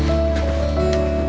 sampai jumpa lagi